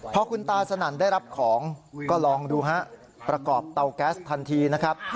พอคุณตาสนั่นได้รับของก็ลองดูฮะประกอบเตาแก๊สทันทีนะครับ